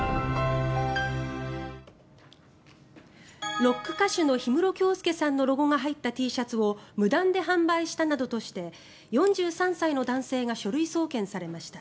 ロック歌手の氷室京介さんのロゴが入ったＴシャツを無断で販売したなどとして４３歳の男性が書類送検されました。